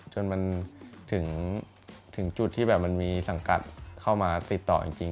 จนมันถึงจุดที่แบบมันมีสังกัดเข้ามาติดต่อจริง